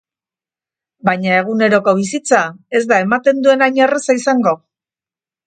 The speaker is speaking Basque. Baina eguneroko bizitza ez da ematen duen hain erraza izango.